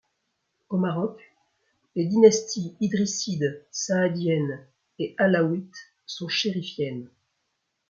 Au Maroc, les dynasties idrisside, saadienne et alaouite sont chérifiennes.